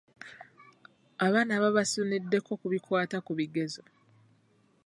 Abaana baabasuniddeko ku bikwata ku bigezo.